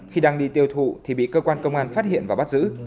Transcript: khi đang đi tiêu thụ thì bị cơ quan công an phát hiện và bắt giữ